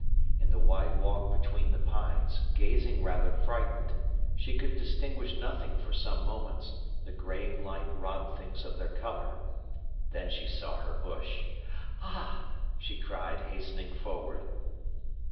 In the wide walk between the pines, gazing rather frightened, she could distinguish nothing for some moments; the greying light robbed things of their colour. Then she saw her bush. "Ah!" she cried, hastening forward.